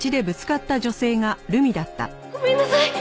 ごめんなさい。